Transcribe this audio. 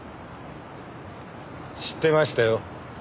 知ってましたよ。